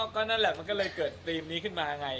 ก็นั่นแหละมันก็เลยเกิดธีมนี้ขึ้นมาไง